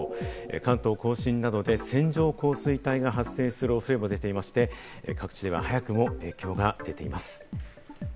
関東甲信などで線状降水帯が発生する恐れも出ていまして、各地では早くも影響が出ています。